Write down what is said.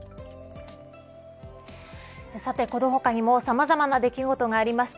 さてこの他にもさまざまな出来事がありました。